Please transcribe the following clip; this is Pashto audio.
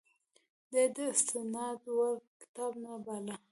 دا یې د استناد وړ کتاب نه باله.